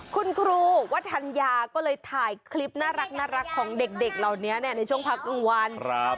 คุณครูวัฒนยาก็เลยถ่ายคลิปน่ารักของเด็กเหล่านี้ในช่วงพักกลางวัน